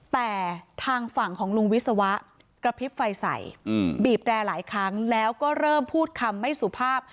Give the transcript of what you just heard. แต่ทางฝั่งของลุงวิศวะกระพริบไฟใส่บีบแร่หลายครั้งแล้วก็เริ่มพูดคำไม่สุภาพ